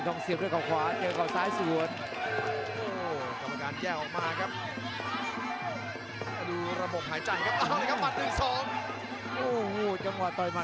โปรดติดตามตอนต่อไป